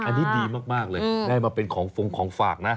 อันนี้ดีมากเลยได้มาเป็นของฟงของฝากนะ